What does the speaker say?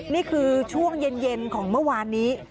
นี่คือช่วงเย็นของเมื่อวานนี้